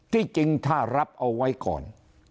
ที่จริงถ้ารับเอาไว้ก่อน